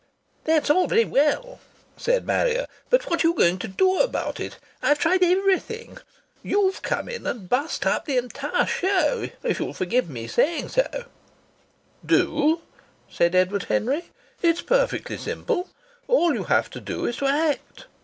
"That's all very well," said Marrier. "But what are you going to do about it? I've tried everything. You've come in and burst up the entire show, if you'll forgive my saying saoh!" "Do?" exclaimed Edward Henry. "It's perfectly simple. All you have to do is to act.